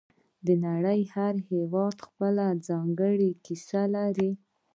د نړۍ هر هېواد خپله ځانګړې کیسه لري